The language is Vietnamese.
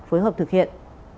phối hợp thực hiện